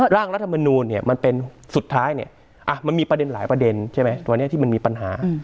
ร่างรัฐมนูลเนี่ยมันเป็นสุดท้ายเนี่ยมันมีประเด็นหลายประเด็นใช่ไหมวันนี้ที่มันมีปัญหา